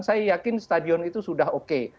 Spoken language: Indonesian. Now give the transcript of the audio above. saya yakin stadion itu sudah oke